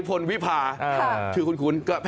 ก็ตอบได้คำเดียวนะครับ